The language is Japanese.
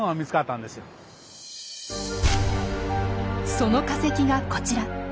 その化石がこちら。